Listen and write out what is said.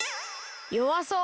よわそう！